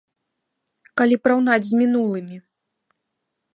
Калі параўнаць з мінулымі.